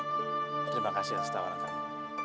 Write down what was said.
terima kasih yang setawa dengan kamu